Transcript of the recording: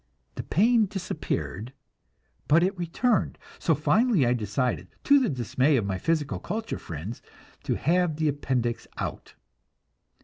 The pain disappeared, but it returned, so finally I decided, to the dismay of my physical culture friends, to have the appendix out.